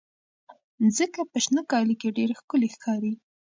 مځکه په شنه کالي کې ډېره ښکلې ښکاري.